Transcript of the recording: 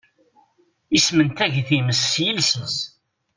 Ismendag times s yiles-is.